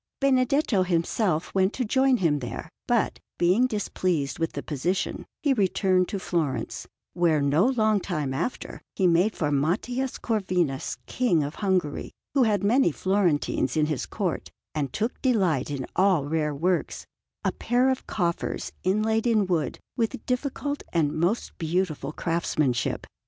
Benedetto himself went to join him there; but, being displeased with the position, he returned to Florence, where, no long time after, he made for Matthias Corvinus, King of Hungary, who had many Florentines in his Court and took delight in all rare works, a pair of coffers inlaid in wood with difficult and most beautiful craftsmanship.